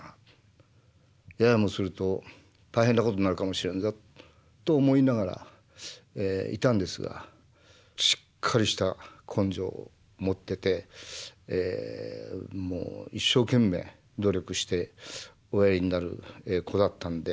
ややもすると大変なことになるかもしれんぞ」と思いながらいたんですがしっかりした根性を持っててもう一生懸命努力しておやりになる子だったんで。